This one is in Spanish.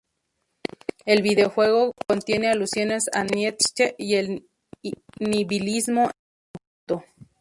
El videojuego contiene alusiones a Nietzsche y al nihilismo en su conjunto.